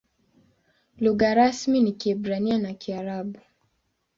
Lugha rasmi ni Kiebrania na Kiarabu.